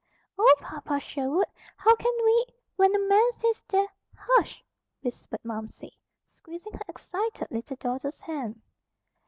"Oh, Papa Sherwood! How can we, when the man says there " "Hush!" whispered Momsey, squeezing her excited little daughter's hand.